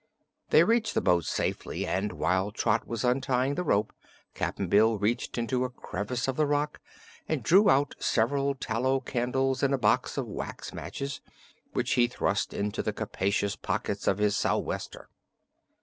They reached the boat safely and while Trot was untying the rope Cap'n Bill reached into a crevice of the rock and drew out several tallow candles and a box of wax matches, which he thrust into the capacious pockets of his "sou'wester."